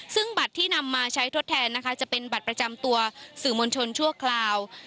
ซึ่งบัตรที่นำมาใช้ทดแทนนะคะจะเป็นบัตรประจำตัวสื่อมวลชนชั่วคราว